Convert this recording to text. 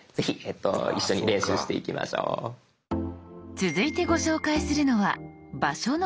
続いてご紹介するのは「場所の共有」。